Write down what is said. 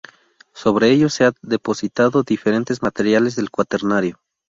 Sobre ellos se han depositado diferentes materiales del Cuaternario.